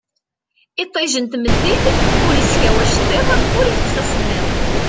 Itij n tmeddit ur iskaw acettiḍ ur itekkes asemmiḍ